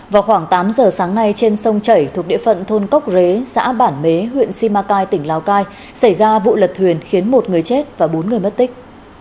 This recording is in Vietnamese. vào khoảng tám giờ sáng nay trên sông chảy thuộc địa phận thôn cốc rế xã bản mế huyện simacai tỉnh lào cai xảy ra vụ lật thuyền khiến một người chết và bốn người mất tích